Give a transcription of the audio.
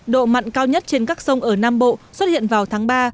độ mặn cao nhất trên các sông ở nam bộ xuất hiện vào tháng ba